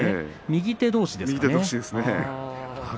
右手どうしですね。